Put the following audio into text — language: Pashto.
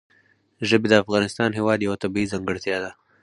ژبې د افغانستان هېواد یوه طبیعي ځانګړتیا ده.